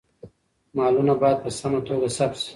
مالونه باید په سمه توګه ثبت شي.